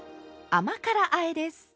甘辛あえです。